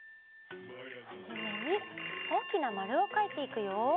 はじめにおおきなまるをかいていくよ。